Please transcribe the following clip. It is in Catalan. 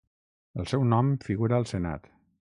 El seu nom figura al senat.